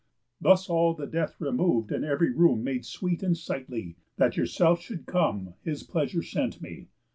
"Thus, all the death remov'd, and ev'ry room Made sweet and sightly, that yourself should come His pleasure sent me.